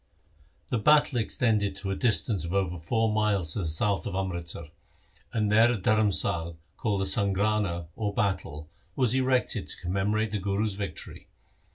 The battle extended to a distance of over four miles to the south of Amritsar, and there a dharmsal called the Sangrana or Battle was erected to com memorate the Guru's victory.